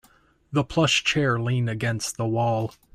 The plush chair leaned against the wall.